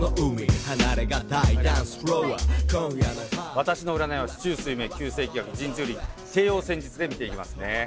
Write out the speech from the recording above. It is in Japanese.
私の占いは四柱推命九星気学神通力帝王占術で見ていきますね。